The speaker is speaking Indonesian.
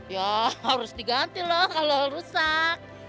ya harus diganti loh kalau rusak